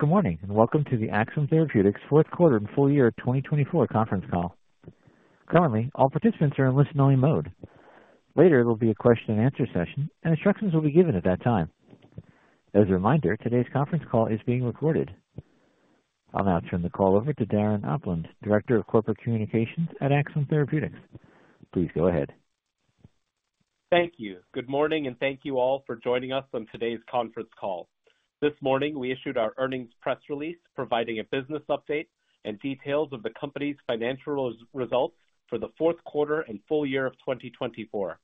Good morning and welcome to the Axsome Therapeutics Q4 and Full Year 2024 Conference Call. Currently, all participants are in listen-only mode. Later, there will be a question-and-answer session, and instructions will be given at that time. As a reminder, today's conference call is being recorded. I'll now turn the call over to Darren Opland, Director of Corporate Communications at Axsome Therapeutics. Please go ahead. Thank you. Good morning, and thank you all for joining us on today's conference call. This morning, we issued our earnings press release, providing a business update and details of the company's financial results for the Q4 and full year of 2024.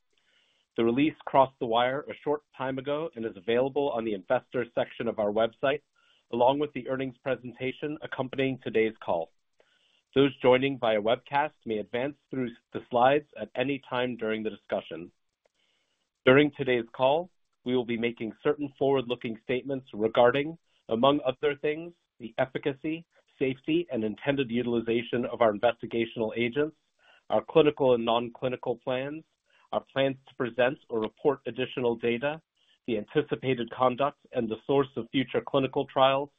The release crossed the wire a short time ago and is available on the investor section of our website, along with the earnings presentation accompanying today's call. Those joining via webcast may advance through the slides at any time during the discussion. During today's call, we will be making certain forward-looking statements regarding, among other things, the efficacy, safety, and intended utilization of our investigational agents, our clinical and non-clinical plans, our plans to present or report additional data, the anticipated conduct and the source of future clinical trials,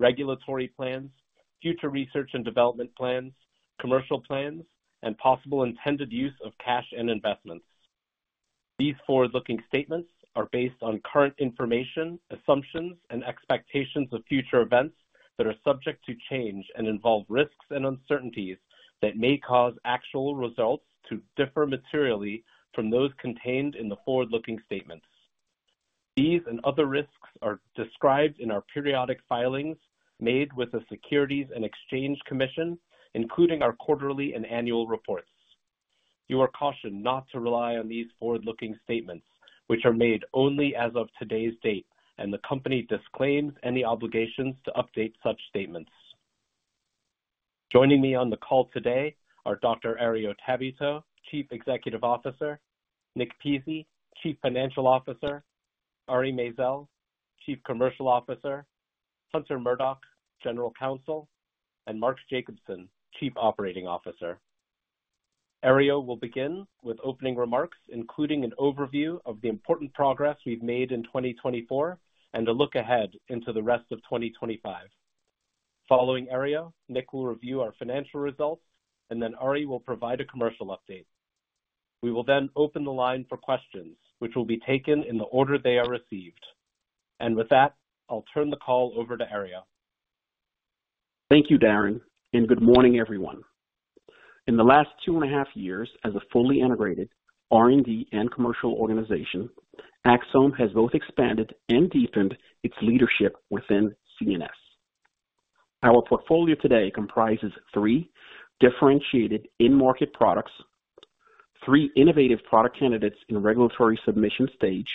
regulatory plans, future research and development plans, commercial plans, and possible intended use of cash and investments. These forward-looking statements are based on current information, assumptions, and expectations of future events that are subject to change and involve risks and uncertainties that may cause actual results to differ materially from those contained in the forward-looking statements. These and other risks are described in our periodic filings made with the Securities and Exchange Commission, including our quarterly and annual reports. You are cautioned not to rely on these forward-looking statements, which are made only as of today's date, and the company disclaims any obligations to update such statements. Joining me on the call today are Dr. Herriot Tabuteau, Chief Executive Officer; Nick Pizzie, Chief Financial Officer; Hunter Murdock, General Counsel; and Mark Jacobson, Chief Operating Officer. Herriot will begin with opening remarks, including an overview of the important progress we've made in 2024 and a look ahead into the rest of 2025. Following Herriot, Nick will review our financial results, and then Ari will provide a commercial update. We will then open the line for questions, which will be taken in the order they are received, and with that, I'll turn the call over to Herriot. Thank you, Darren, and good morning, everyone. In the last two and a half years as a fully integrated R&D and commercial organization, Axsome has both expanded and deepened its leadership within CNS. Our portfolio today comprises three differentiated in-market products, three innovative product candidates in regulatory submission stage,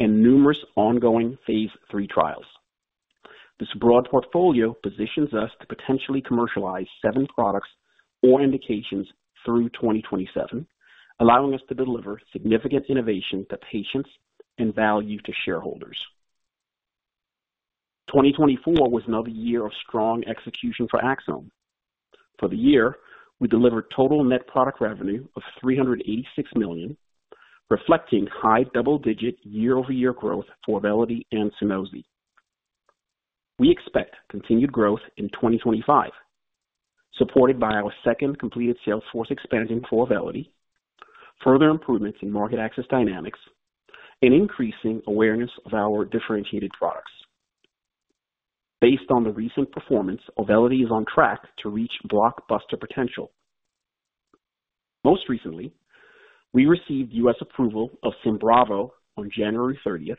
and numerous ongoing Phase 3 trials. This broad portfolio positions us to potentially commercialize seven products or indications through 2027, allowing us to deliver significant innovation to patients and value to shareholders. 2024 was another year of strong execution for Axsome. For the year, we delivered total net product revenue of $386 million, reflecting high double-digit year-over-year growth for Auvelity and Sunosi. We expect continued growth in 2025, supported by our second completed sales force expansion for Auvelity, further improvements in market access dynamics, and increasing awareness of our differentiated products. Based on the recent performance, Auvelity is on track to reach blockbuster potential. Most recently, we received U.S. approval of Symbravo on January 30th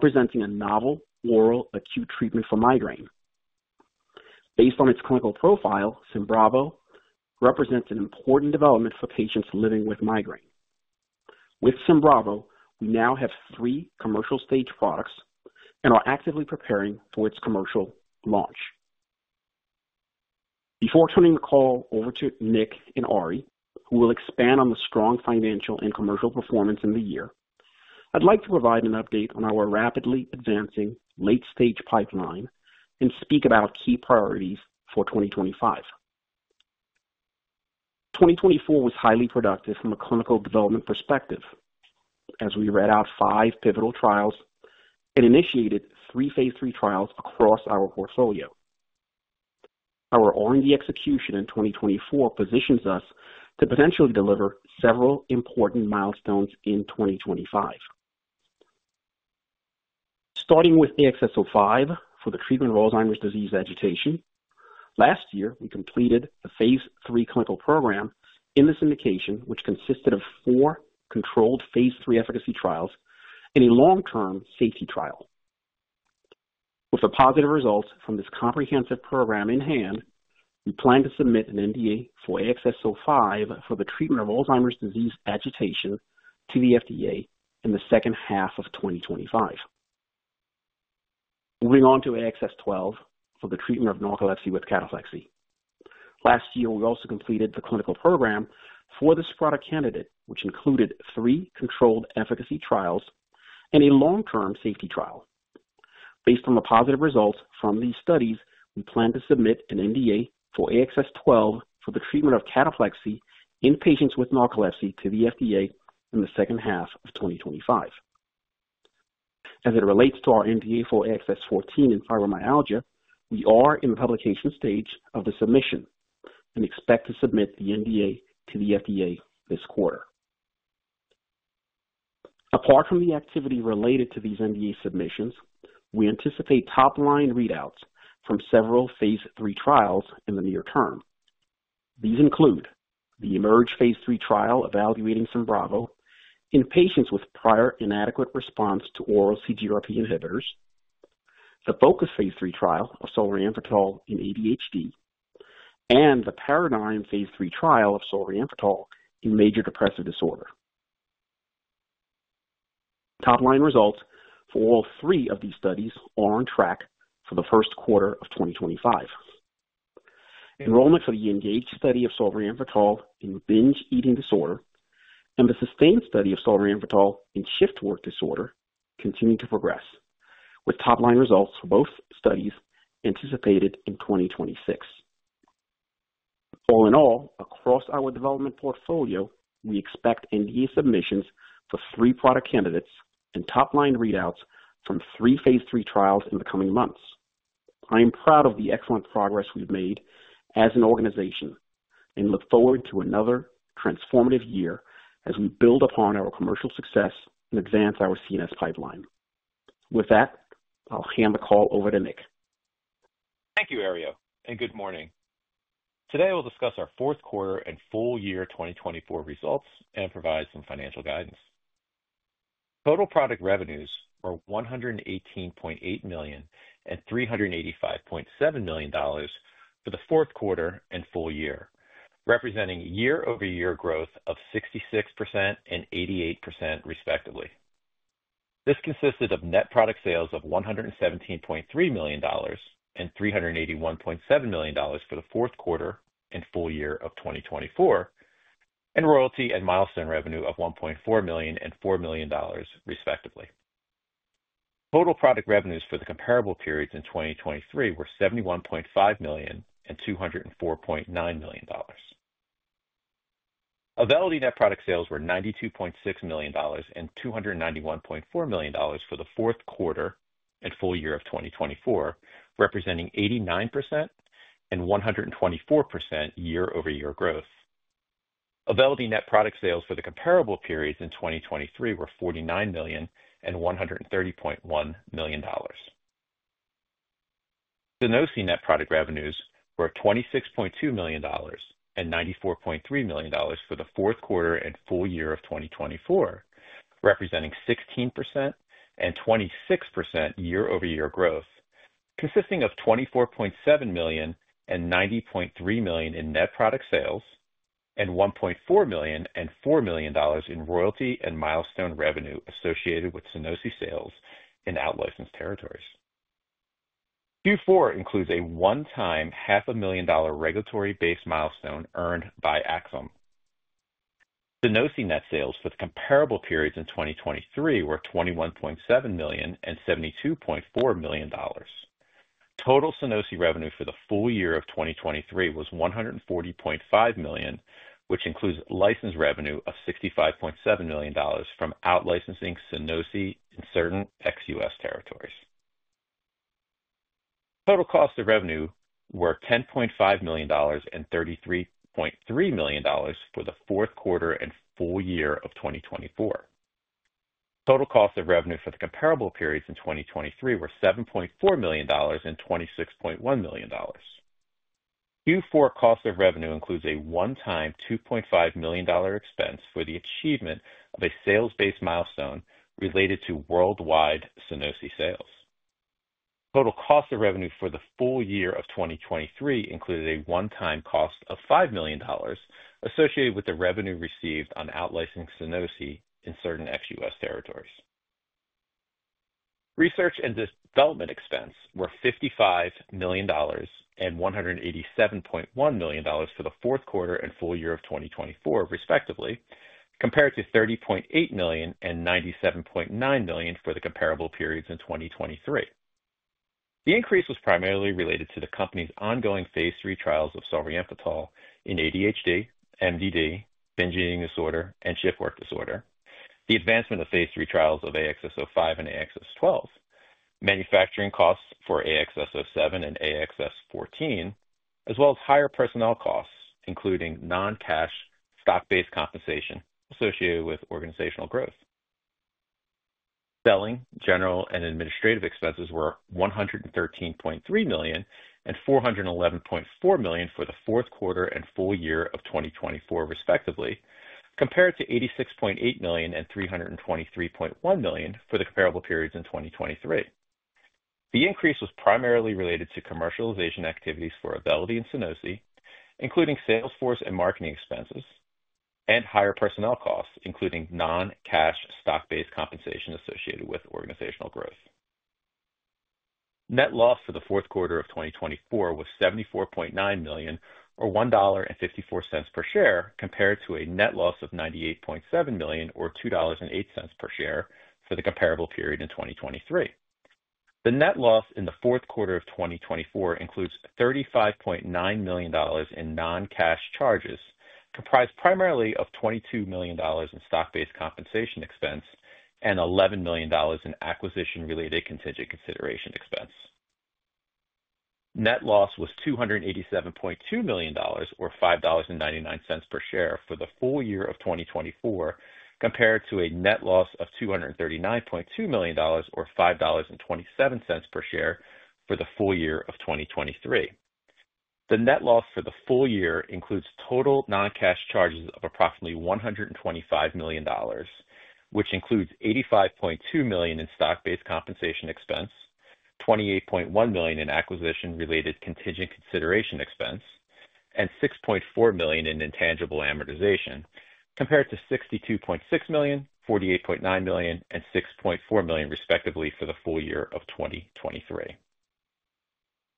as a novel oral acute treatment for migraine. Based on its clinical profile, Symbravo represents an important development for patients living with migraine. With Symbravo, we now have three commercial stage products and are actively preparing for its commercial launch. Before turning the call over to Nick and Ari, who will expand on the strong financial and commercial performance in the year, I'd like to provide an update on our rapidly advancing late-stage pipeline and speak about key priorities for 2025. 2024 was highly productive from a clinical development perspective as we read out five pivotal trials and initiated three Phase 3 trials across our portfolio. Our R&D execution in 2024 positions us to potentially deliver several important milestones in 2025. Starting with the AXS-05 for the treatment of Alzheimer's disease agitation, last year we completed a Phase 3 clinical program in this indication, which consisted of four controlled Phase 3 efficacy trials and a long-term safety trial. With a positive result from this comprehensive program in hand, we plan to submit an NDA for AXS-05 for the treatment of Alzheimer's disease agitation to the FDA in the second half of 2025. Moving on to AXS-12 for the treatment of narcolepsy with cataplexy. Last year, we also completed the clinical program for this product candidate, which included three controlled efficacy trials and a long-term safety trial. Based on the positive results from these studies, we plan to submit an NDA for AXS-12 for the treatment of cataplexy in patients with narcolepsy to the FDA in the second half of 2025. As it relates to our NDA for AXS-14 and fibromyalgia, we are in the publication stage of the submission and expect to submit the NDA to the FDA this quarter. Apart from the activity related to these NDA submissions, we anticipate top-line readouts from several Phase 3 trials in the near term. These include the EMERGE Phase 3 trial evaluating Symbravo in patients with prior inadequate response to oral CGRP inhibitors, the FOCUS Phase 3 trial of solriamfetol in ADHD, and the PARADIGM Phase 3 trial of solriamfetol in major depressive disorder. Top-line results for all three of these studies are on track for the Q1 of 2025. Enrollment for the ENGAGE study of solriamfetol in binge eating disorder and the SUSTAIN study of solriamfetol in shift work disorder continue to progress, with top-line results for both studies anticipated in 2026. All in all, across our development portfolio, we expect NDA submissions for three product candidates and top-line readouts from three Phase 3 trials in the coming months. I am proud of the excellent progress we've made as an organization and look forward to another transformative year as we build upon our commercial success and advance our CNS pipeline. With that, I'll hand the call over to Nick. Thank you, Herriot, and good morning. Today, we'll discuss our Q4 and full year 2024 results and provide some financial guidance. Total product revenues were $118.8 million and $385.7 million for the Q4 and full year, representing year-over-year growth of 66% and 88%, respectively. This consisted of net product sales of $117.3 million and $381.7 million for the Q4 and full year of 2024, and royalty and milestone revenue of $1.4 million and $4 million, respectively. Total product revenues for the comparable periods in 2023 were $71.5 million and $204.9 million. Auvelity net product sales were $92.6 million and $291.4 million for the Q4 and full year of 2024, representing 89% and 124% year-over-year growth. Auvelity net product sales for the comparable periods in 2023 were $49 million and $130.1 million. Sunosi net product revenues were $26.2 million and $94.3 million for the Q4 and full year of 2024, representing 16% and 26% year-over-year growth, consisting of $24.7 million and $90.3 million in net product sales and $1.4 million and $4 million in royalty and milestone revenue associated with Sunosi sales in outlicensed territories. Q4 includes a one-time $500,000 regulatory-based milestone earned by Axsome. Sunosi net sales for the comparable periods in 2023 were $21.7 million and $72.4 million. Total Sunosi revenue for the full year of 2023 was $140.5 million, which includes license revenue of $65.7 million from outlicensing Sunosi in certain ex-U.S. territories. Total cost of revenue were $10.5 million and $33.3 million for the Q4 and full year of 2024. Total cost of revenue for the comparable periods in 2023 were $7.4 million and $26.1 million. Q4 cost of revenue includes a one-time $2.5 million expense for the achievement of a sales-based milestone related to worldwide Sunosi sales. Total cost of revenue for the full year of 2023 included a one-time cost of $5 million associated with the revenue received on out-licensing Sunosi in certain ex-U.S. territories. Research and development expense were $55 million and $187.1 million for the Q4 and full year of 2024, respectively, compared to $30.8 million and $97.9 million for the comparable periods in 2023. The increase was primarily related to the company's ongoing Phase 3 trials of solriamfetol in ADHD, MDD, binge eating disorder, and shift work disorder, the advancement of Phase 3 trials of AXS-05 and AXS-12, manufacturing costs for AXS-07 and AXS-14, as well as higher personnel costs, including non-cash stock-based compensation associated with organizational growth. Selling, general, and administrative expenses were $113.3 million and $411.4 million for the Q4 and full year of 2024, respectively, compared to $86.8 million and $323.1 million for the comparable periods in 2023. The increase was primarily related to commercialization activities for Auvelity and Sunosi, including sales force and marketing expenses, and higher personnel costs, including non-cash stock-based compensation associated with organizational growth. Net loss for the Q4 of 2024 was $74.9 million, or $1.54 per share, compared to a net loss of $98.7 million, or $2.08 per share for the comparable period in 2023. The net loss in the Q4 of 2024 includes $35.9 million in non-cash charges, comprised primarily of $22 million in stock-based compensation expense and $11 million in acquisition-related contingent consideration expense. Net loss was $287.2 million, or $5.99 per share for the full year of 2024, compared to a net loss of $239.2 million, or $5.27 per share for the full year of 2023. The net loss for the full year includes total non-cash charges of approximately $125 million, which includes $85.2 million in stock-based compensation expense, $28.1 million in acquisition-related contingent consideration expense, and $6.4 million in intangible amortization, compared to $62.6 million, $48.9 million, and $6.4 million, respectively, for the full year of 2023.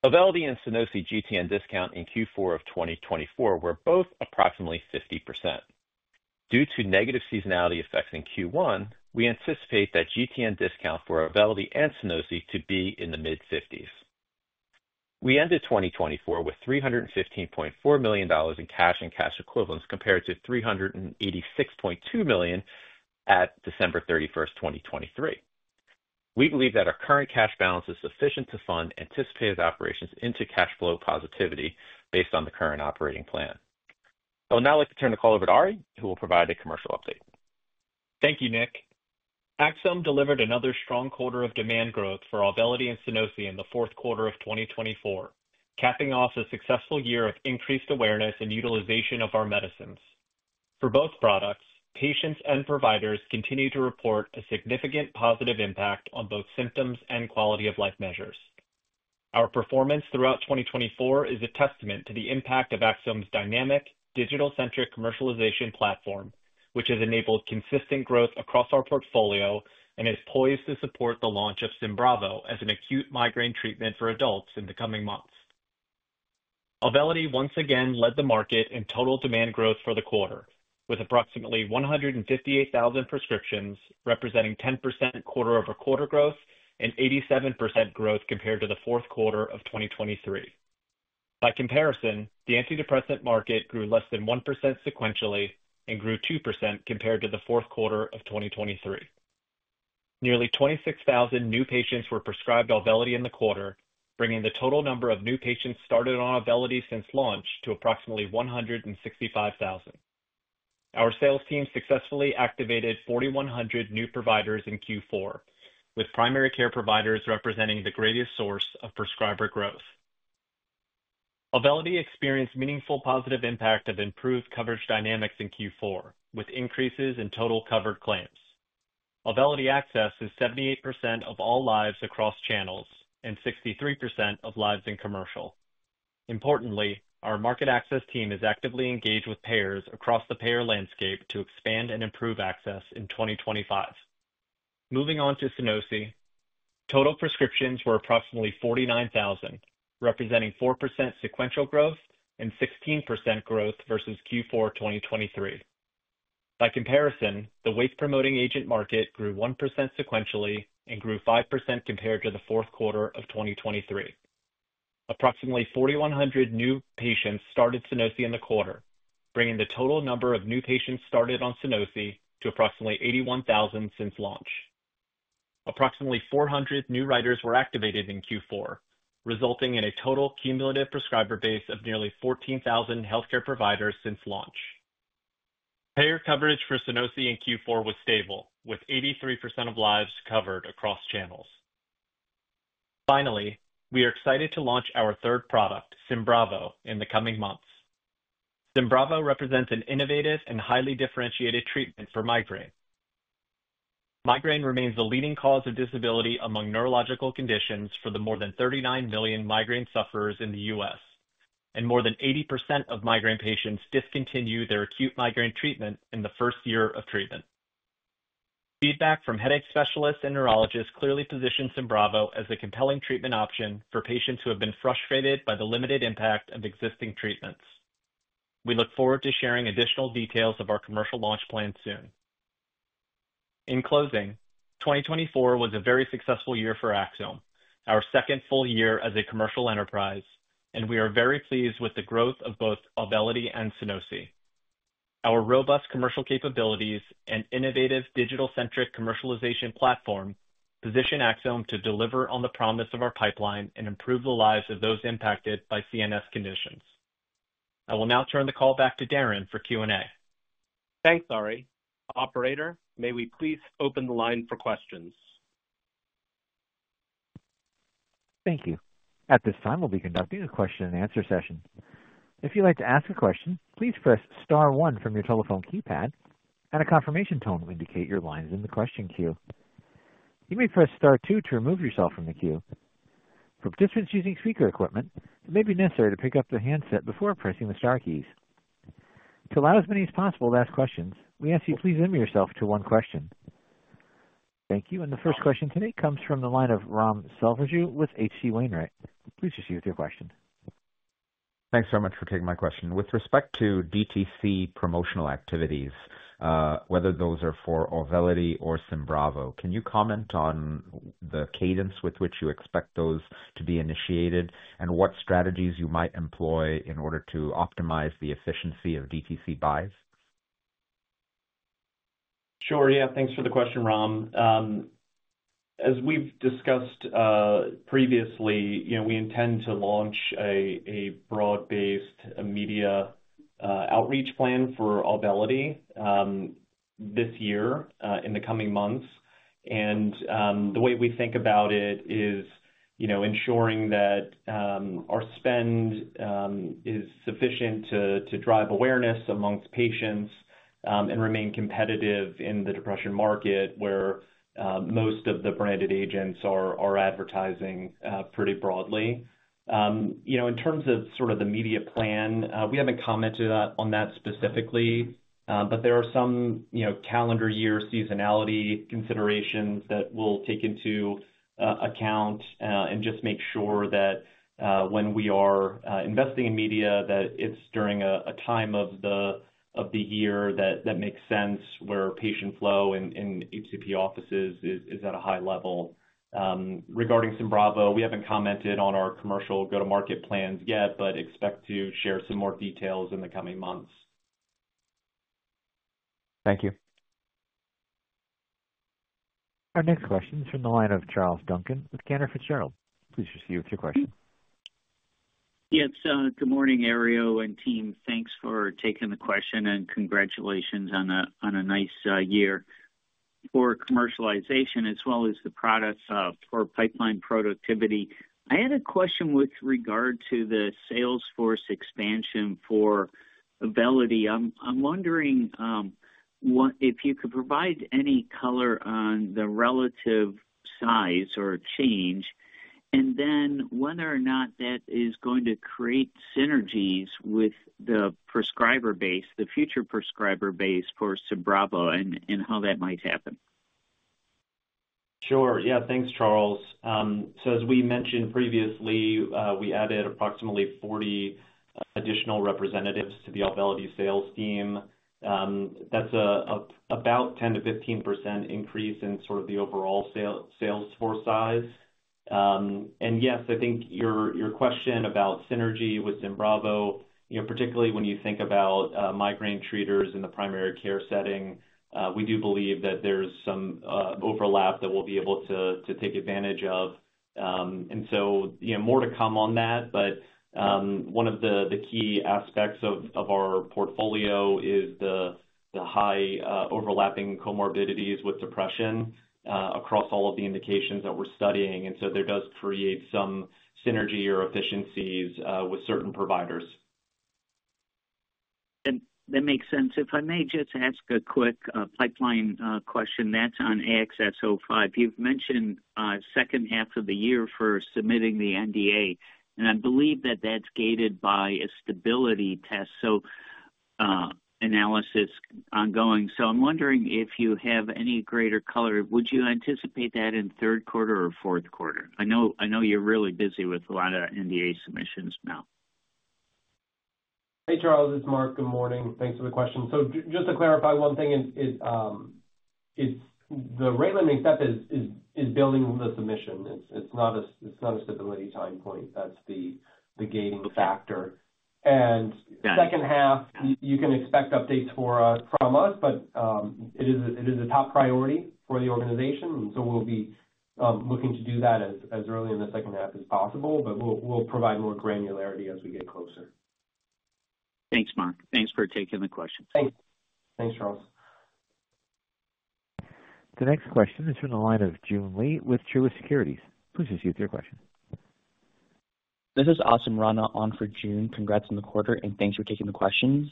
Auvelity and Sunosi GTN discount in Q4 of 2024 were both approximately 50%. Due to negative seasonality effects in Q1, we anticipate that GTN discounts for Auvelity and Sunosi to be in the mid-50s. We ended 2024 with $315.4 million in cash and cash equivalents compared to $386.2 million at December 31st, 2023. We believe that our current cash balance is sufficient to fund anticipated operations into cash flow positivity based on the current operating plan. I would now like to turn the call over to Ari, who will provide a commercial update. Thank you, Nick. Axsome delivered another strong quarter of demand growth for Auvelity and Sunosi in the Q4 of 2024, capping off a successful year of increased awareness and utilization of our medicines. For both products, patients and providers continue to report a significant positive impact on both symptoms and quality-of-life measures. Our performance throughout 2024 is a testament to the impact of Axsome's dynamic, digital-centric commercialization platform, which has enabled consistent growth across our portfolio and is poised to support the launch of Symbravo as an acute migraine treatment for adults in the coming months. Auvelity once again led the market in total demand growth for the quarter, with approximately 158,000 prescriptions representing 10% quarter-over-quarter growth and 87% growth compared to the Q4 of 2023. By comparison, the antidepressant market grew less than 1% sequentially and grew 2% compared to the Q4 of 2023. Nearly 26,000 new patients were prescribed Auvelity in the quarter, bringing the total number of new patients started on Auvelity since launch to approximately 165,000. Our sales team successfully activated 4,100 new providers in Q4, with primary care providers representing the greatest source of prescriber growth. Auvelity experienced meaningful positive impact of improved coverage dynamics in Q4, with increases in total covered claims. Auvelity access is 78% of all lives across channels and 63% of lives in commercial. Importantly, our market access team is actively engaged with payers across the payer landscape to expand and improve access in 2025. Moving on to Sunosi, total prescriptions were approximately 49,000, representing 4% sequential growth and 16% growth versus Q4 2023. By comparison, the wake-promoting agent market grew 1% sequentially and grew 5% compared to the Q4 of 2023. Approximately 4,100 new patients started Sunosi in the quarter, bringing the total number of new patients started on Sunosi to approximately 81,000 since launch. Approximately 400 new writers were activated in Q4, resulting in a total cumulative prescriber base of nearly 14,000 healthcare providers since launch. Payer coverage for Sunosi in Q4 was stable, with 83% of lives covered across channels. Finally, we are excited to launch our third product, Symbravo, in the coming months. Symbravo represents an innovative and highly differentiated treatment for migraine. Migraine remains the leading cause of disability among neurological conditions for the more than 39 million migraine sufferers in the U.S., and more than 80% of migraine patients discontinue their acute migraine treatment in the first year of treatment. Feedback from headache specialists and neurologists clearly positions Symbravo as a compelling treatment option for patients who have been frustrated by the limited impact of existing treatments. We look forward to sharing additional details of our commercial launch plan soon. In closing, 2024 was a very successful year for Axsome, our second full year as a commercial enterprise, and we are very pleased with the growth of both Auvelity and Sunosi. Our robust commercial capabilities and innovative digital-centric commercialization platform position Axsome to deliver on the promise of our pipeline and improve the lives of those impacted by CNS conditions. I will now turn the call back to Darren for Q&A. Thanks, Ari. Operator, may we please open the line for questions? Thank you. At this time, we'll be conducting a question-and-answer session. If you'd like to ask a question, please press star one from your telephone keypad, and a confirmation tone will indicate your lines in the question queue. You may press star two to remove yourself from the queue. For participants using speaker equipment, it may be necessary to pick up their handset before pressing the Star keys. To allow as many as possible to ask questions, we ask that you please limit yourself to one question. Thank you. And the first question today comes from the line of Ram Selvaraju with H.C. Wainwright. Please proceed with your question. Thanks so much for taking my question. With respect to DTC promotional activities, whether those are for Auvelity or Symbravo, can you comment on the cadence with which you expect those to be initiated and what strategies you might employ in order to optimize the efficiency of DTC buys? Sure. Yeah. Thanks for the question, Ram. As we've discussed previously, we intend to launch a broad-based media outreach plan for Auvelity this year, in the coming months, and the way we think about it is ensuring that our spend is sufficient to drive awareness among patients and remain competitive in the depression market, where most of the branded agents are advertising pretty broadly. In terms of sort of the media plan, we haven't commented on that specifically, but there are some calendar year seasonality considerations that we'll take into account and just make sure that when we are investing in media, that it's during a time of the year that makes sense where patient flow in HCP offices is at a high level. Regarding Symbravo, we haven't commented on our commercial go-to-market plans yet, but expect to share some more details in the coming months. Thank you. Our next question is from the line of Charles Duncan with Cantor Fitzgerald. Please proceed with your question. Yes. Good morning, Herriot and team. Thanks for taking the question and congratulations on a nice year. For commercialization, as well as the products for pipeline productivity, I had a question with regard to the sales force expansion for Auvelity. I'm wondering if you could provide any color on the relative size or change, and then whether or not that is going to create synergies with the prescriber base, the future prescriber base for Symbravo, and how that might happen. Sure. Yeah. Thanks, Charles. So, as we mentioned previously, we added approximately 40 additional representatives to the Auvelity sales team. That's about a 10%-15% increase in sort of the overall sales force size. And yes, I think your question about synergy with Symbravo, particularly when you think about migraine treaters in the primary care setting, we do believe that there's some overlap that we'll be able to take advantage of. And so more to come on that, but one of the key aspects of our portfolio is the high overlapping comorbidities with depression across all of the indications that we're studying. And so there does create some synergy or efficiencies with certain providers. That makes sense. If I may just ask a quick pipeline question, that's on AXS-05. You've mentioned the second half of the year for submitting the NDA, and I believe that that's gated by a stability test. So, analysis ongoing. So I'm wondering if you have any greater color. Would you anticipate that in third quarter or Q4? I know you're really busy with a lot of NDA submissions now. Hey, Charles. It's Mark. Good morning. Thanks for the question. So just to clarify one thing, the rate-limiting step is building the submission. It's not a stability time point. That's the gating factor. And second half, you can expect updates from us, but it is a top priority for the organization. And so we'll be looking to do that as early in the second half as possible, but we'll provide more granularity as we get closer. Thanks, Mark. Thanks for taking the question. Thanks. Thanks, Charles. The next question is from the line of Joon Lee with Truist Securities. Please proceed with your question. This is Asim Rana on for Joon. Congrats on the quarter, and thanks for taking the questions.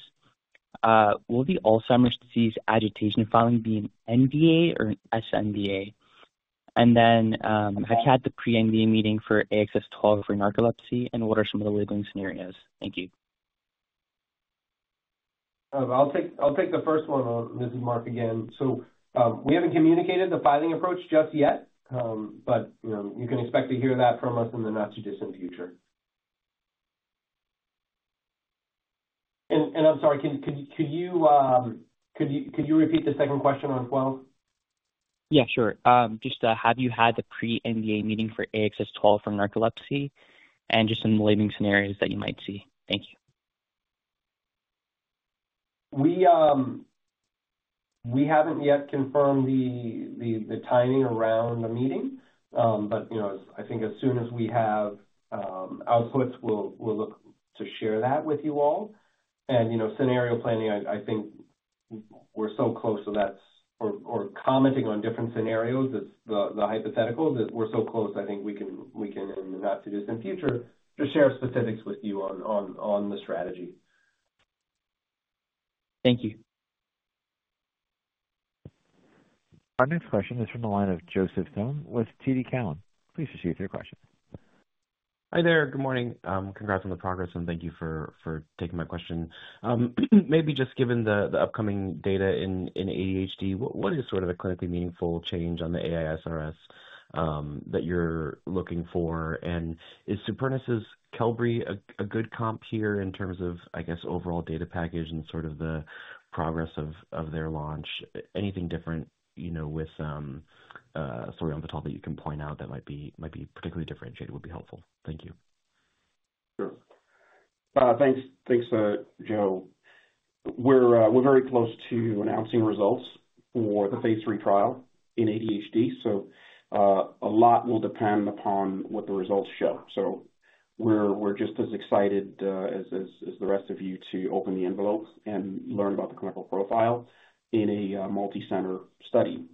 Will the Alzheimer's disease agitation filing be an NDA or an sNDA? And then, have you had the pre-NDA meeting for AXS-12 for narcolepsy, and what are some of the legal scenarios? Thank you. I'll take the first one, this is Mark, again. So we haven't communicated the filing approach just yet, but you can expect to hear that from us in the not-too-distant future. And I'm sorry, could you repeat the second question on 12? Yeah, sure. Just have you had the pre-NDA meeting for AXS-12 for narcolepsy and just some legal scenarios that you might see? Thank you. We haven't yet confirmed the timing around the meeting, but I think as soon as we have outputs, we'll look to share that with you all, and scenario planning, I think we're so close to that, or commenting on different scenarios, the hypotheticals, that we're so close, I think we can, in the not-too-distant future, just share specifics with you on the strategy. Thank you. Our next question is from the line of Joseph Thome with TD Cowen. Please proceed with your question. Hi there. Good morning. Congrats on the progress, and thank you for taking my question. Maybe just given the upcoming data in ADHD, what is sort of a clinically meaningful change on the AISRS that you're looking for? And is Supernus Qelbree a good comp here in terms of, I guess, overall data package and sort of the progress of their launch? Anything different with some story on the topic that you can point out that might be particularly differentiated would be helpful. Thank you. Sure. Thanks, Joe. We're very close to announcing results for the Phase 3 trial in ADHD. So a lot will depend upon what the results show. So we're just as excited as the rest of you to open the envelopes and learn about the clinical profile in a multi-center study.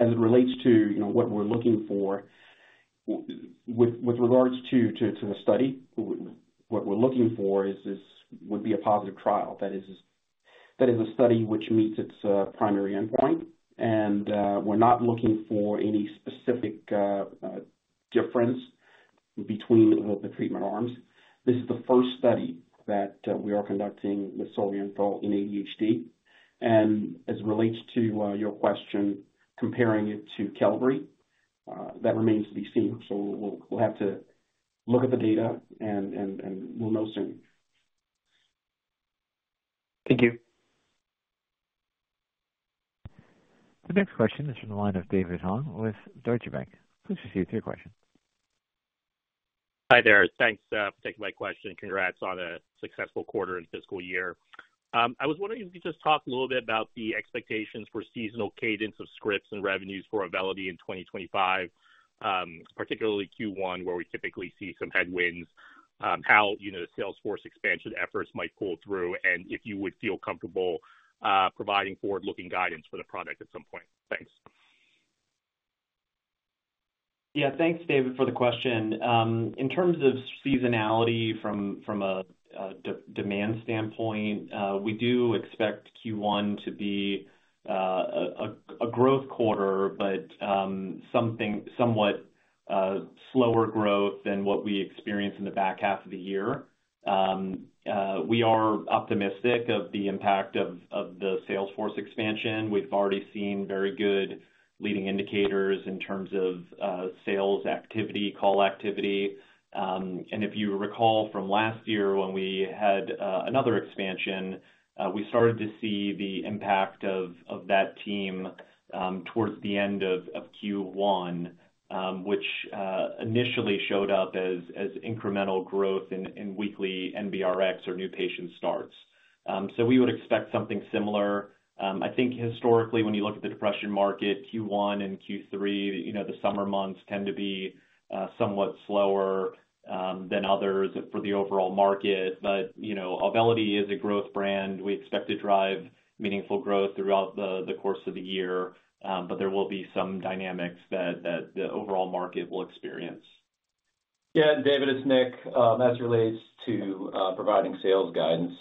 As it relates to what we're looking for, with regards to the study, what we're looking for would be a positive trial. That is a study which meets its primary endpoint. And we're not looking for any specific difference between the treatment arms. This is the first study that we are conducting with solriamfetol in ADHD. And as it relates to your question, comparing it to Qelbree, that remains to be seen. So we'll have to look at the data, and we'll know soon. Thank you. The next question is from the line of David Hoang with Deutsche Bank. Please proceed with your question. Hi there. Thanks for taking my question. Congrats on a successful quarter and fiscal year. I was wondering if you could just talk a little bit about the expectations for seasonal cadence of scripts and revenues for Auvelity in 2025, particularly Q1, where we typically see some headwinds, how the sales force expansion efforts might pull through, and if you would feel comfortable providing forward-looking guidance for the product at some point. Thanks. Yeah. Thanks, David, for the question. In terms of seasonality from a demand standpoint, we do expect Q1 to be a growth quarter, but somewhat slower growth than what we experienced in the back half of the year. We are optimistic of the impact of the sales force expansion. We've already seen very good leading indicators in terms of sales activity, call activity. And if you recall from last year when we had another expansion, we started to see the impact of that team towards the end of Q1, which initially showed up as incremental growth in weekly NBRx or new patient starts. So we would expect something similar. I think historically, when you look at the depression market, Q1 and Q3, the summer months tend to be somewhat slower than others for the overall market. But Auvelity is a growth brand. We expect to drive meaningful growth throughout the course of the year, but there will be some dynamics that the overall market will experience. Yeah. David, it's Nick. As it relates to providing sales guidance,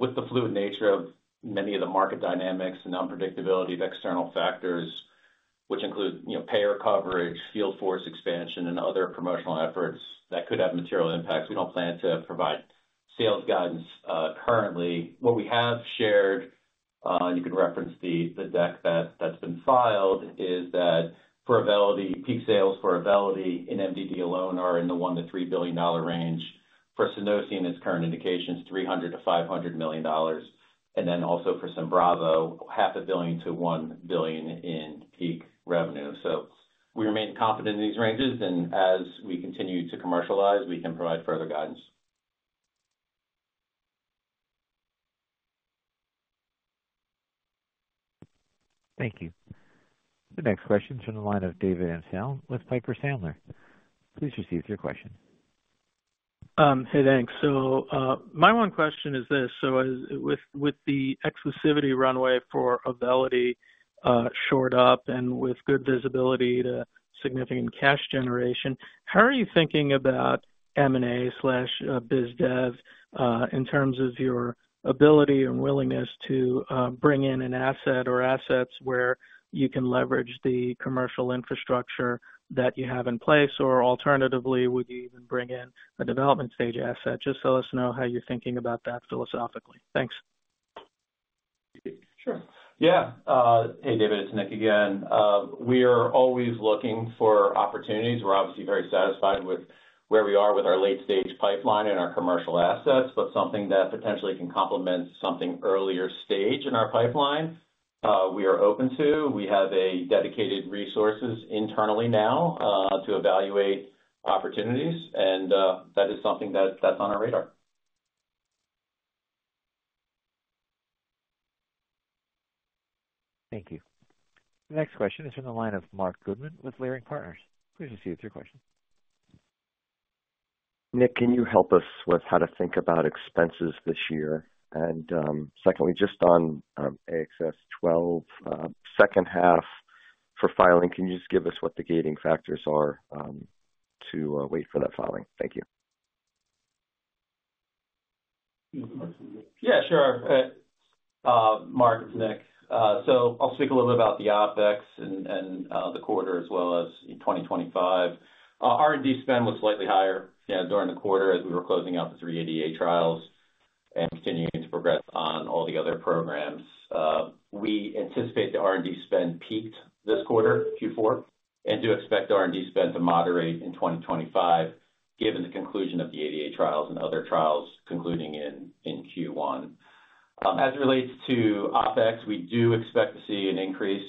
with the fluid nature of many of the market dynamics and unpredictability of external factors, which include payer coverage, Field Force expansion, and other promotional efforts that could have material impacts, we don't plan to provide sales guidance currently. What we have shared, and you can reference the deck that's been filed, is that for Auvelity, peak sales for Auvelity in MDD alone are in the $1 billion-$3 billion range. For Sunosi, in its current indications, $300 million-$500 million. And then also for Symbravo, $500 million-$1 billion in peak revenue. So we remain confident in these ranges, and as we continue to commercialize, we can provide further guidance. Thank you. The next question is from the line of David Amsellem with Piper Sandler. Please proceed with your question. Hey, thanks. So my one question is this: with the exclusivity runway for Auvelity shortening up and with good visibility to significant cash generation, how are you thinking about M&A/BizDev in terms of your ability and willingness to bring in an asset or assets where you can leverage the commercial infrastructure that you have in place? Or alternatively, would you even bring in a development stage asset? Just let us know how you're thinking about that philosophically. Thanks. Sure. Yeah. Hey, David, it's Nick again. We are always looking for opportunities. We're obviously very satisfied with where we are with our late-stage pipeline and our commercial assets, but something that potentially can complement something earlier stage in our pipeline, we are open to. We have dedicated resources internally now to evaluate opportunities, and that is something that's on our radar. Thank you. The next question is from the line of Marc Goodman with Leerink Partners. Please proceed with your question. Nick, can you help us with how to think about expenses this year? And secondly, just on AXS-12, second half for filing, can you just give us what the gating factors are to wait for that filing? Thank you. Yeah, sure. Marc, it's Nick. So I'll speak a little bit about the OpEx and the quarter as well as 2025. R&D spend was slightly higher during the quarter as we were closing out the three ADHD trials and continuing to progress on all the other programs. We anticipate the R&D spend peaked this quarter, Q4, and do expect R&D spend to moderate in 2025 given the conclusion of the ADHD trials and other trials concluding in Q1. As it relates to OpEx, we do expect to see an increase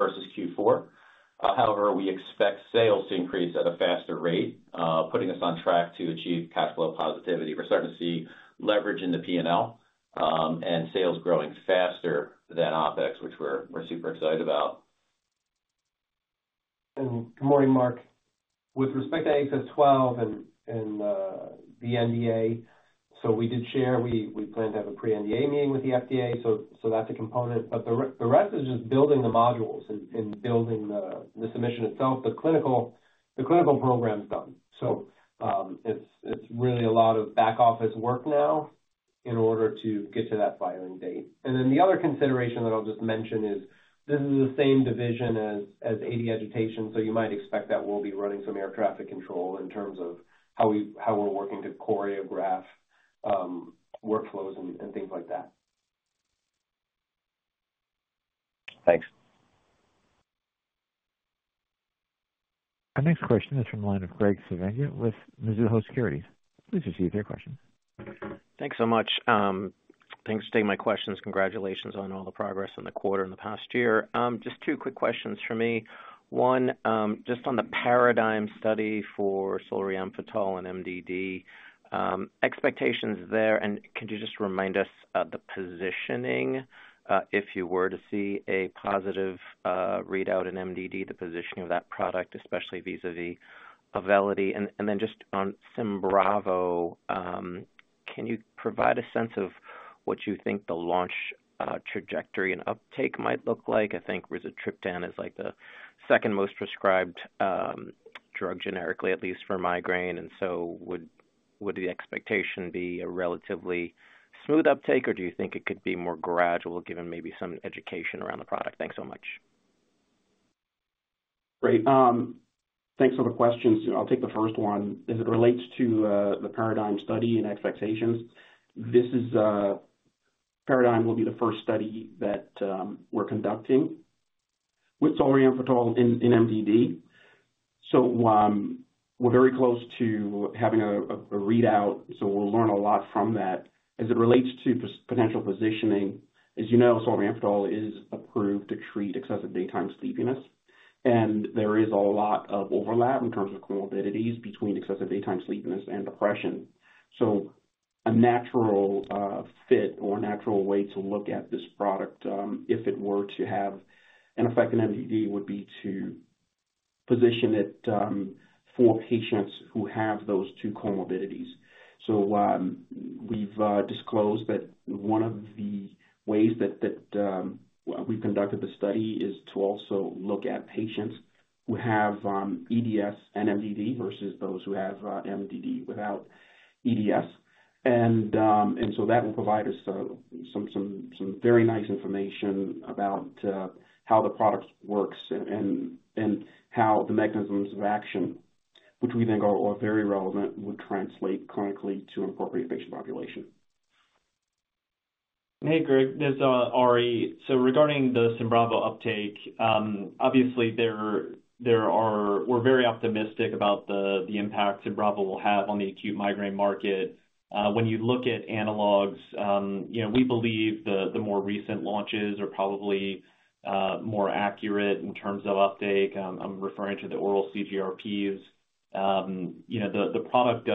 versus Q4. However, we expect sales to increase at a faster rate, putting us on track to achieve cash flow positivity. We're starting to see leverage in the P&L and sales growing faster than OpEx, which we're super excited about. And good morning, Marc. With respect to AXS-12 and the NDA, so we did share we plan to have a pre-NDA meeting with the FDA, so that's a component, but the rest is just building the modules and building the submission itself. The clinical program's done, so it's really a lot of back office work now in order to get to that filing date, and then the other consideration that I'll just mention is this is the same division as Alzheimer's disease agitation, so you might expect that we'll be running some air traffic control in terms of how we're working to choreograph workflows and things like that. Thanks. Our next question is from the line of Graig Suvannavejh with Mizuho Securities. Please proceed with your question. Thanks so much. Thanks for taking my questions. Congratulations on all the progress in the quarter and the past year. Just two quick questions for me. One, just on the PARADIGM study for Solriamfetol and MDD, expectations there, and could you just remind us of the positioning if you were to see a positive readout in MDD, the positioning of that product, especially vis-à-vis Auvelity? And then just on Symbravo, can you provide a sense of what you think the launch trajectory and uptake might look like? I think rizatriptan is the second most prescribed drug generically, at least for migraine. And so would the expectation be a relatively smooth uptake, or do you think it could be more gradual given maybe some education around the product? Thanks so much. Great. Thanks for the questions. I'll take the first one. As it relates to the PARADIGM study and expectations, this PARADIGM will be the first study that we're conducting with Solriamfetol in MDD. So we're very close to having a readout, so we'll learn a lot from that. As it relates to potential positioning, as you know, Solriamfetol is approved to treat excessive daytime sleepiness, and there is a lot of overlap in terms of comorbidities between excessive daytime sleepiness and depression. So a natural fit or a natural way to look at this product, if it were to have an effect in MDD, would be to position it for patients who have those two comorbidities. So we've disclosed that one of the ways that we've conducted the study is to also look at patients who have EDS and MDD versus those who have MDD without EDS. That will provide us some very nice information about how the product works and how the mechanisms of action, which we think are very relevant, would translate clinically to an appropriate patient population. Hey, Graig, this is Ari. So regarding the Symbravo uptake, obviously, we're very optimistic about the impact Symbravo will have on the acute migraine market. When you look at analogs, we believe the more recent launches are probably more accurate in terms of uptake. I'm referring to the oral CGRPs. The product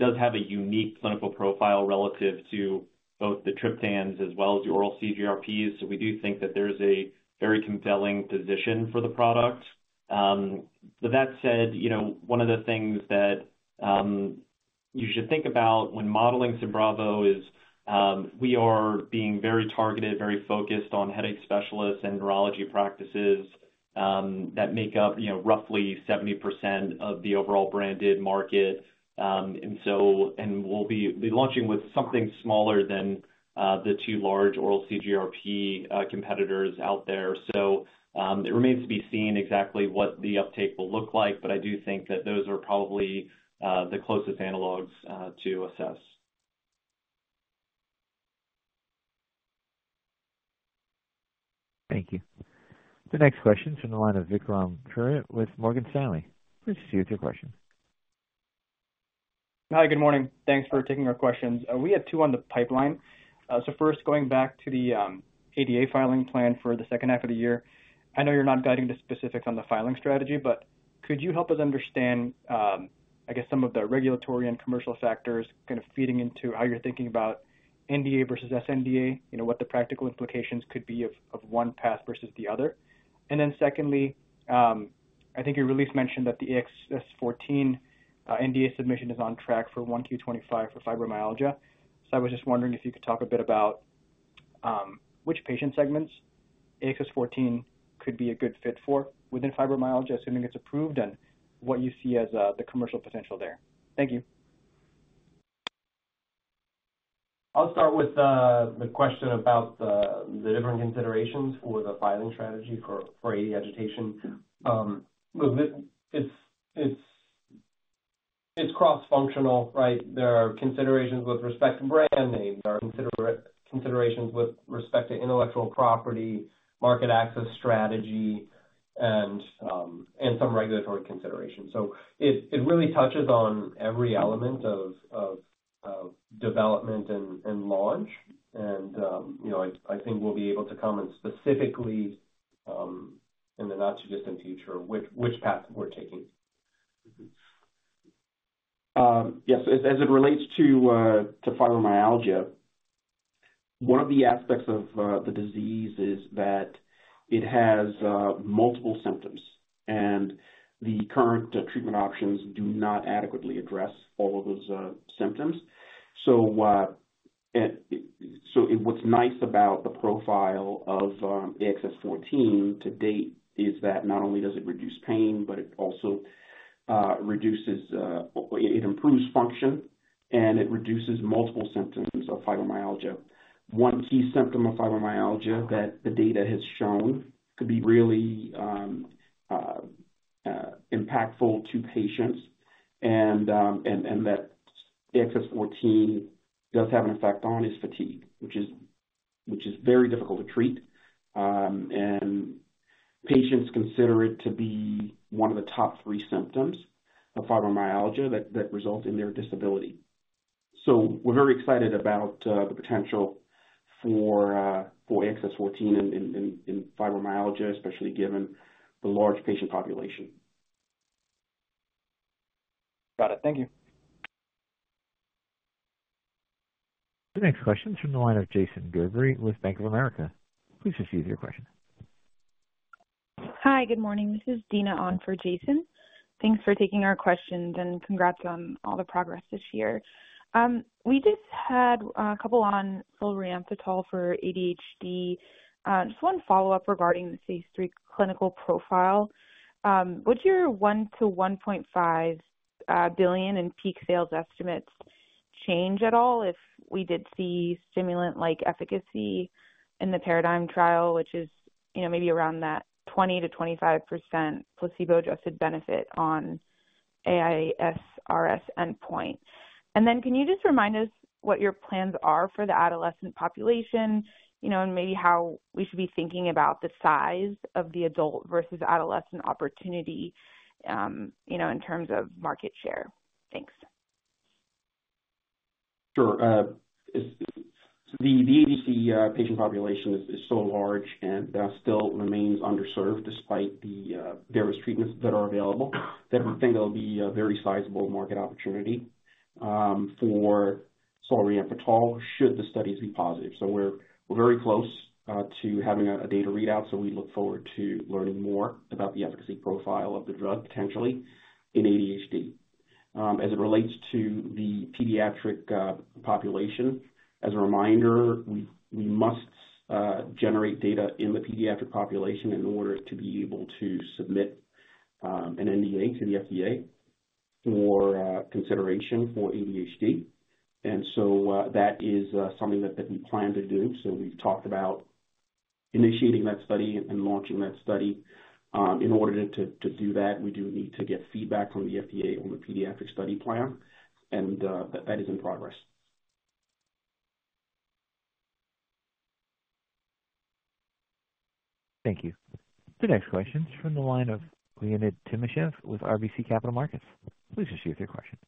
does have a unique clinical profile relative to both the triptans as well as the oral CGRPs. So we do think that there's a very compelling position for the product. With that said, one of the things that you should think about when modeling Symbravo is we are being very targeted, very focused on headache specialists and neurology practices that make up roughly 70% of the overall branded market. We'll be launching with something smaller than the two large oral CGRP competitors out there. So it remains to be seen exactly what the uptake will look like, but I do think that those are probably the closest analogs to assess. Thank you. The next question is from the line of Vikram Purohit with Morgan Stanley. Please proceed with your question. Hi, good morning. Thanks for taking our questions. We have two on the pipeline. So first, going back to the ADHD filing plan for the second half of the year, I know you're not guiding the specifics on the filing strategy, but could you help us understand, I guess, some of the regulatory and commercial factors kind of feeding into how you're thinking about NDA versus sNDA, what the practical implications could be of one path versus the other? And then secondly, I think you recently mentioned that the AXS-14 NDA submission is on track for 1Q25 for fibromyalgia. So I was just wondering if you could talk a bit about which patient segments AXS-14 could be a good fit for within fibromyalgia, assuming it's approved, and what you see as the commercial potential there. Thank you. I'll start with the question about the different considerations for the filing strategy for AD agitation. It's cross-functional, right? There are considerations with respect to brand name. There are considerations with respect to intellectual property, market access strategy, and some regulatory considerations. So it really touches on every element of development and launch, and I think we'll be able to comment specifically in the not-too-distant future which path we're taking. Yes. As it relates to fibromyalgia, one of the aspects of the disease is that it has multiple symptoms, and the current treatment options do not adequately address all of those symptoms, so what's nice about the profile of AXS-14 to date is that not only does it reduce pain, but it also improves function, and it reduces multiple symptoms of fibromyalgia. One key symptom of fibromyalgia that the data has shown could be really impactful to patients, and that AXS-14 does have an effect on is fatigue, which is very difficult to treat, and patients consider it to be one of the top three symptoms of fibromyalgia that result in their disability, so we're very excited about the potential for AXS-14 in fibromyalgia, especially given the large patient population. Got it. Thank you. The next question is from the line of Jason Gerberry with Bank of America. Please proceed with your question. Hi, good morning. This is Dina on for Jason. Thanks for taking our questions, and congrats on all the progress this year. We just had a couple on Solriamfetol for ADHD. Just one follow-up regarding the Phase 3 clinical profile. Would your $1-$1.5 billion in peak sales estimates change at all if we did see stimulant-like efficacy in the PARADIGM trial, which is maybe around that 20%-25% placebo-adjusted benefit on AISRS endpoint? And then can you just remind us what your plans are for the adolescent population and maybe how we should be thinking about the size of the adult versus adolescent opportunity in terms of market share? Thanks. Sure. The ADHD patient population is so large and still remains underserved despite the various treatments that are available. I think there'll be a very sizable market opportunity for solriamfetol should the studies be positive. So we're very close to having a data readout, so we look forward to learning more about the efficacy profile of the drug potentially in ADHD. As it relates to the pediatric population, as a reminder, we must generate data in the pediatric population in order to be able to submit an NDA to the FDA for consideration for ADHD. And so that is something that we plan to do. So we've talked about initiating that study and launching that study. In order to do that, we do need to get feedback from the FDA on the pediatric study plan, and that is in progress. Thank you. The next question is from the line of Leonid Timashev with RBC Capital Markets. Please proceed with your question.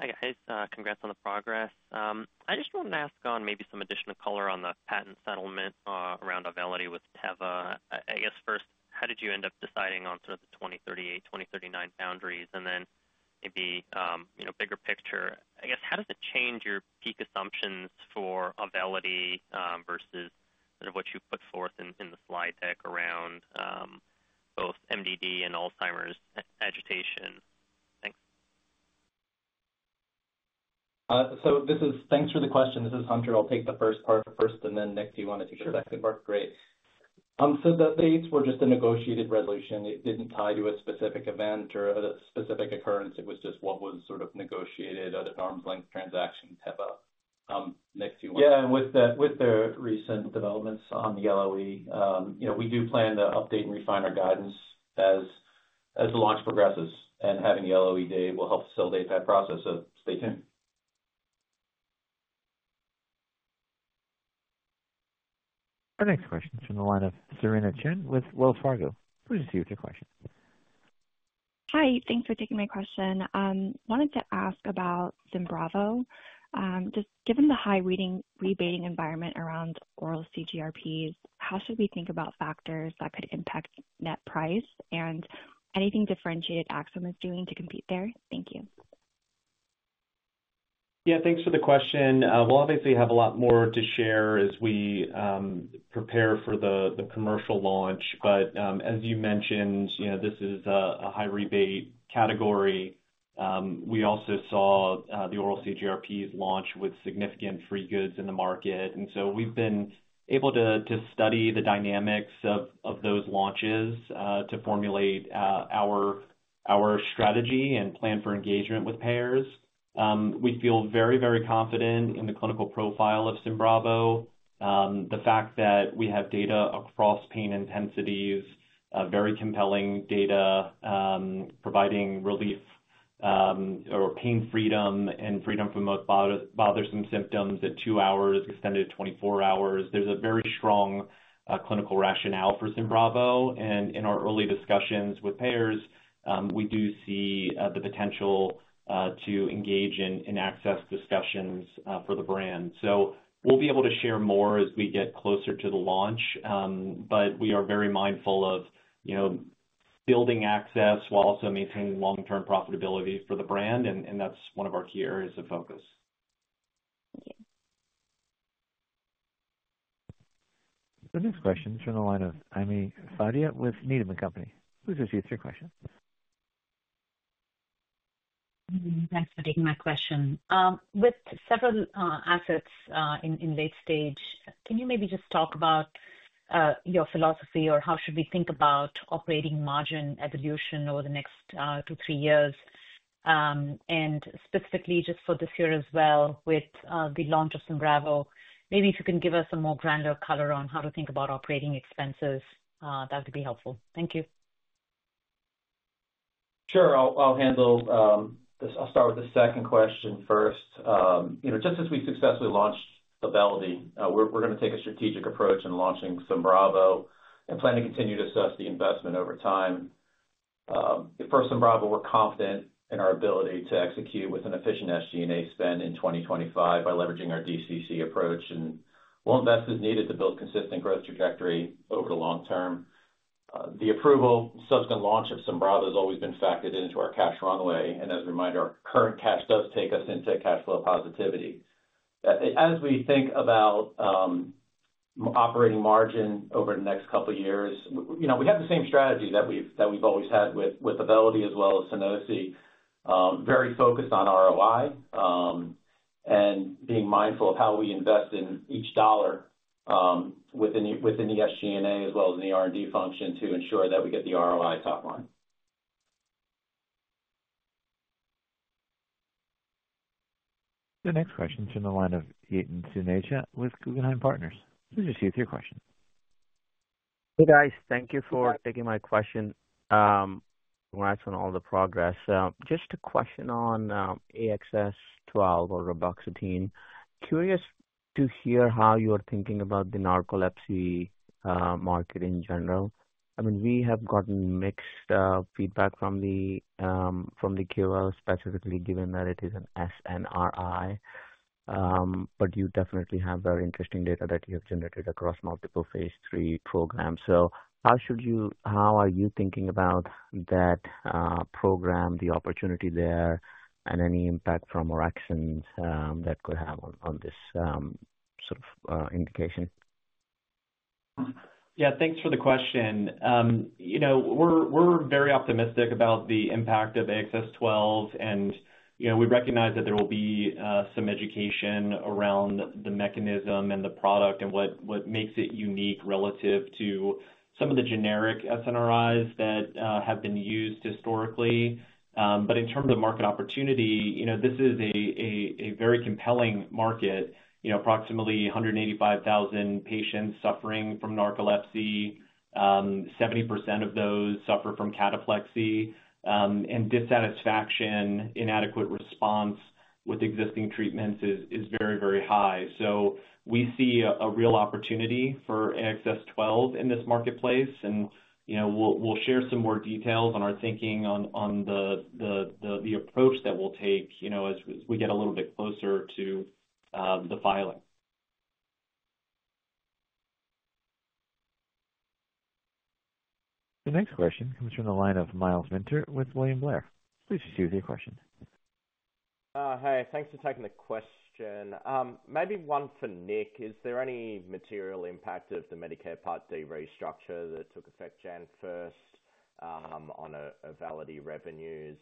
Hi, guys. Congrats on the progress. I just wanted to ask on maybe some additional color on the patent settlement around Auvelity with Teva. I guess first, how did you end up deciding on sort of the 2038, 2039 boundaries? And then maybe bigger picture, I guess, how does it change your peak assumptions for Auvelity versus sort of what you put forth in the slide deck around both MDD and Alzheimer's agitation? Thanks. So thanks for the question. This is Hunter. I'll take the first part first, and then Nick, do you want to take the second part? Sure. Great. So the dates were just a negotiated resolution. It didn't tie to a specific event or a specific occurrence. It was just what was sort of negotiated at an arm's length transaction, Teva. Nick, do you want to? Yeah. With the recent developments on the LOE, we do plan to update and refine our guidance as the launch progresses, and having the LOE day will help facilitate that process. So stay tuned. The next question is from the line of Serena Chen with Wells Fargo. Please proceed with your question. Hi. Thanks for taking my question. Wanted to ask about Symbravo. Just given the high rebating environment around oral CGRPs, how should we think about factors that could impact net price and anything differentiated Axsome is doing to compete there? Thank you. Yeah. Thanks for the question. We'll obviously have a lot more to share as we prepare for the commercial launch, but as you mentioned, this is a high rebate category. We also saw the oral CGRPs launch with significant free goods in the market, and so we've been able to study the dynamics of those launches to formulate our strategy and plan for engagement with payers. We feel very, very confident in the clinical profile of Symbravo. The fact that we have data across pain intensities, very compelling data providing relief or pain freedom and freedom from both bothersome symptoms at two hours extended to 24 hours. There's a very strong clinical rationale for Symbravo, and in our early discussions with payers, we do see the potential to engage in access discussions for the brand. So we'll be able to share more as we get closer to the launch, but we are very mindful of building access while also maintaining long-term profitability for the brand, and that's one of our key areas of focus. Thank you. The next question is from the line of Ami Fadia with Needham & Company. Please proceed with your question. Thanks for taking my question. With several assets in late stage, can you maybe just talk about your philosophy or how should we think about operating margin evolution over the next two, three years, and specifically just for this year as well with the launch of Symbravo, maybe if you can give us a more granular color on how to think about operating expenses, that would be helpful. Thank you. Sure. I'll handle, i'll start with the second question first. Just as we successfully launched Auvelity, we're going to take a strategic approach in launching Symbravo and plan to continue to assess the investment over time. For Symbravo, we're confident in our ability to execute with an efficient SG&A spend in 2025 by leveraging our DCC approach, and we'll invest as needed to build consistent growth trajectory over the long term. The approval, subsequent launch of Symbravo has always been factored into our cash runway, and as a reminder, our current cash does take us into cash flow positivity. As we think about operating margin over the next couple of years, we have the same strategy that we've always had with Auvelity as well as Sunosi, very focused on ROI and being mindful of how we invest in each dollar within the SG&A as well as in the R&D function to ensure that we get the ROI top line. The next question is from the line of Yatin Suneja with Guggenheim Partners. Please proceed with your question. Hey, guys. Thank you for taking my question. Congrats on all the progress. Just a question on AXS-12 or reboxetine. Curious to hear how you are thinking about the narcolepsy market in general. I mean, we have gotten mixed feedback from the KOLs, specifically given that it is an SNRI, but you definitely have very interesting data that you have generated across multiple Phase 3 programs. So how are you thinking about that program, the opportunity there, and any impact from or actions that could have on this sort of indication? Yeah. Thanks for the question. We're very optimistic about the impact of AXS-12, and we recognize that there will be some education around the mechanism and the product and what makes it unique relative to some of the generic SNRIs that have been used historically. But in terms of market opportunity, this is a very compelling market. Approximately 185,000 patients suffering from narcolepsy, 70% of those suffer from cataplexy, and dissatisfaction, inadequate response with existing treatments is very, very high. So we see a real opportunity for AXS-12 in this marketplace, and we'll share some more details on our thinking on the approach that we'll take as we get a little bit closer to the filing. The next question comes from the line of Myles Minter with William Blair. Please proceed with your question. Hi. Thanks for taking the question. Maybe one for Nick. Is there any material impact of the Medicare Part D restructure that took effect January 1st on Auvelity revenues?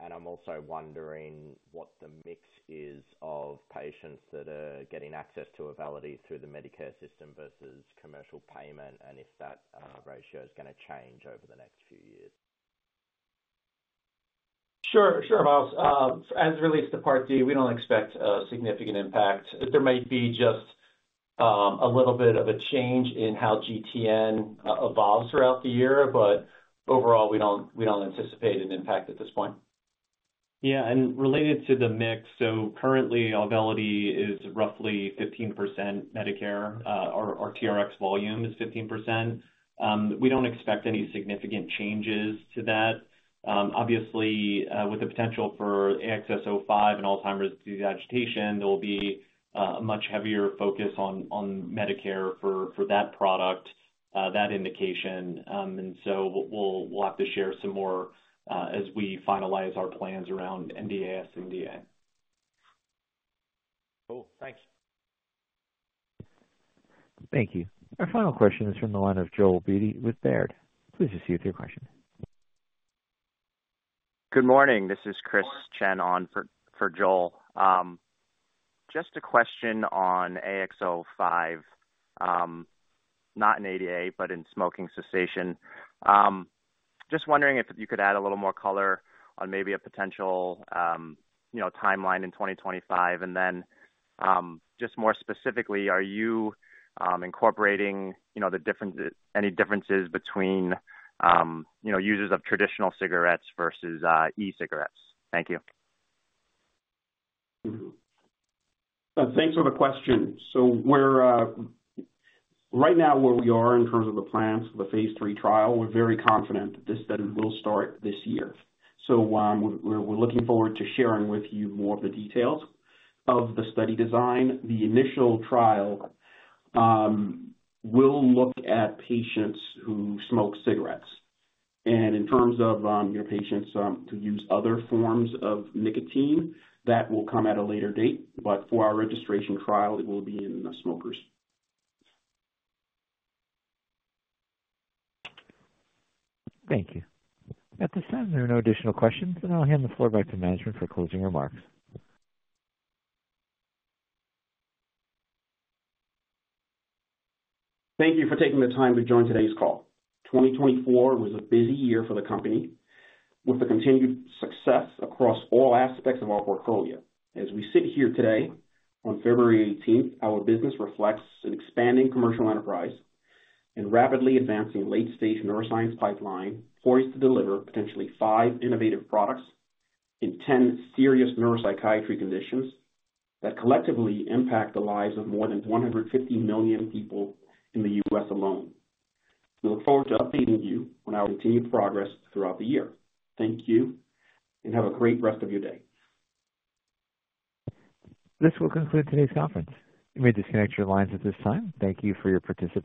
And I'm also wondering what the mix is of patients that are getting access to Auvelity through the Medicare system versus commercial payment and if that ratio is going to change over the next few years. Sure. Sure, Myles. As it relates to Part D, we don't expect a significant impact. There might be just a little bit of a change in how GTN evolves throughout the year, but overall, we don't anticipate an impact at this point. Yeah. And related to the mix, so currently, Auvelity is roughly 15% Medicare. Our TRx volume is 15%. We don't expect any significant changes to that. Obviously, with the potential for AXS-05 and Alzheimer's disease agitation, there will be a much heavier focus on Medicare for that product, that indication. And so we'll have to share some more as we finalize our plans around sNDAs/NDA. Cool. Thanks. Thank you. Our final question is from the line of Joel Beatty with Baird. Please proceed with your question. Good morning. This is Chris Chen on for Joel. Just a question on AXS-05, not in ADA, but in smoking cessation. Just wondering if you could add a little more color on maybe a potential timeline in 2025, and then just more specifically, are you incorporating any differences between users of traditional cigarettes versus e-cigarettes? Thank you. Thanks for the question. Right now, where we are in terms of the plans for the Phase 3 trial, we're very confident that this study will start this year. We're looking forward to sharing with you more of the details of the study design. The initial trial will look at patients who smoke cigarettes. In terms of patients who use other forms of nicotine, that will come at a later date, but for our registration trial, it will be in the smokers. Thank you. At this time, there are no additional questions, and I'll hand the floor back to management for closing remarks. Thank you for taking the time to join today's call. 2024 was a busy year for the company with the continued success across all aspects of our portfolio. As we sit here today on February 18th, our business reflects an expanding commercial enterprise and rapidly advancing late-stage neuroscience pipeline poised to deliver potentially five innovative products in 10 serious neuropsychiatric conditions that collectively impact the lives of more than 150 million people in the U.S. alone. We look forward to updating you on our continued progress throughout the year. Thank you, and have a great rest of your day. This will conclude today's conference. You may disconnect your lines at this time. Thank you for your participation.